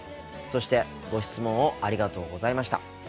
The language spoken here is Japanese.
そしてご質問をありがとうございました。